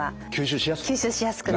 吸収しやすく。